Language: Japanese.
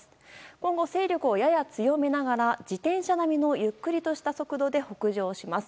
今後、勢力をやや強めながら自転車並みのゆっくりとした速度で北上します。